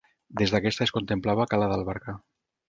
Des d'aquesta es contemplava Cala d'Albarca.